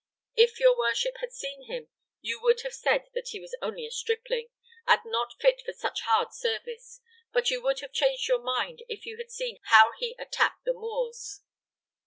If your worship had seen him, you would have said that he was only a stripling, and not fit for such hard service, but you would have changed your mind if you had seen how he attacked the Moors.